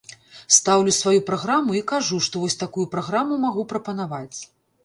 Стаўлю сваю праграму і кажу, што вось такую праграму магу прапанаваць.